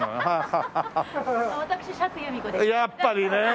やっぱりね。